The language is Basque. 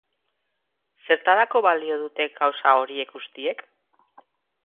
Zertarako balio dute gauza horiek guztiek?